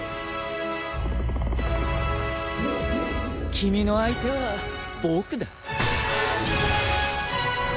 君の相手は僕だ。